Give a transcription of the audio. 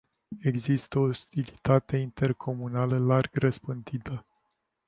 Există o ostilitate intercomunală larg răspândită.